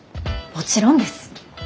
もちろんです。